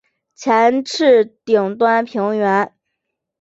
前翅顶端平圆。